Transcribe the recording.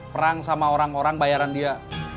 perang sama orang orang bayaran dia